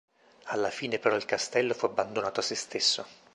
Alla fine però il castello fu abbandonato a se stesso.